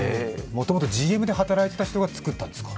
もともとＧＭで働いてた人が作ったんですか。